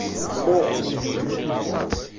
Xḍu.